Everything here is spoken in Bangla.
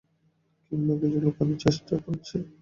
কিংবা কিছু লুকোনোর চেষ্টা করছে।